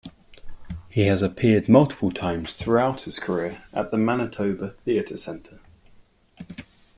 He has appeared multiple times throughout his career at the Manitoba Theatre Centre.